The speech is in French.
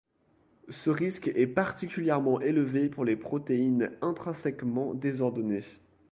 Ce risque est particulièrement élevé pour les protéines intrinsèquement désordonnées.